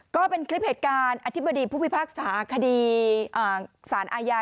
ก็เป็นคลิปเหตุการณ์อธิบดีผู้พิพากษาคดีสารอาญา